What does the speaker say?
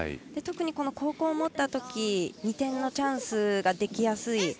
特に後攻を持ったとき２点のチャンスができやすい。